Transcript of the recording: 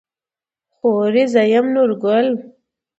خورې زه يم نورګل.